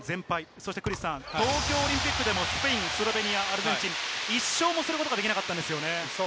そしてクリスさん、東京オリンピックでもスペイン、スロベニア、アルゼンチン、１勝もすることができなかったんですよね。